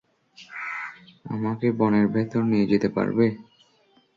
আমাকে বনের ভেতর নিয়ে যেতে পারবে?